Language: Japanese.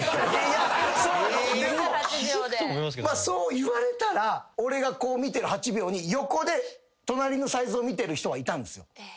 そう言われたら俺がこう見てる８秒に横で隣のサイズを見てる人はいたんですよ。